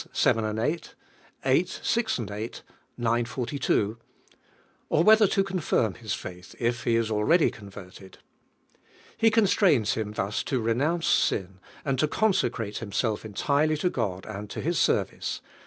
7, H; viii. 6, 8; ix. 42) or whether to confirm his faith if he is already converted. He constrains him thus to renounce sin, anil to consecrate himself entirely to God and to His service (I.